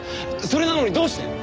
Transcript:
それなのにどうして！？